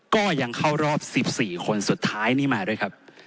ก็ยังเข้ารอบ๑๔คนสุดท้ายนี้มาด้วยครับ